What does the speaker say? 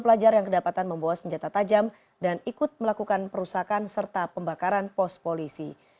pembelajar juga mendapatkan membawa senjata tajam dan ikut melakukan perusakan serta pembakaran pos polisi